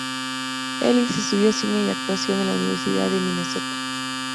Elise estudió cine y actuación en la Universidad de Minnesota.